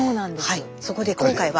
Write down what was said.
はいそこで今回は。